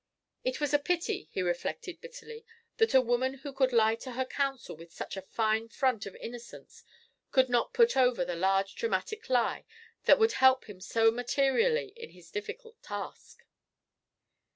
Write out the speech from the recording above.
It was a pity, he reflected bitterly, that a woman who could lie to her counsel with such a fine front of innocence could not "put over" the large dramatic lie that would help him so materially in his difficult task.